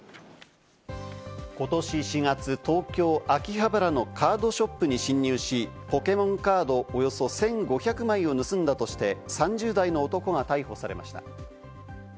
ことし４月、東京・秋葉原のカードショップに侵入し、ポケモンカードおよそ１５００枚を盗んだとして、３０代の男が逮捕されました。